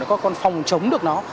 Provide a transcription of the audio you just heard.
để các con phòng chống được nó